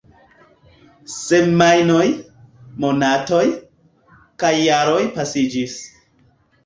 Semajnoj, monatoj, kaj jaroj pasiĝis.